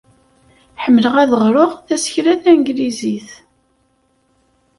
Ḥemmleɣ ad ɣreɣ tasekla tanglizit.